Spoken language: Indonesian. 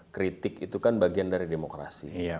kritik itu kan bagian dari demokrasi